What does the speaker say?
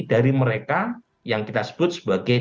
dari mereka yang kita sebut sebagai